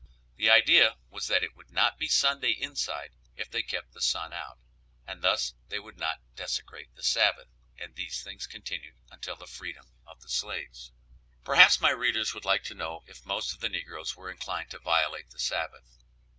The idea was that it would not be Sunday inside if they kept the sun out, and thus they would not desecrate the Sabbath; and these things continued until the freedom of the slaves. Perhaps my readers would like to know if most of the negroes were inclined to violate the Sabbath.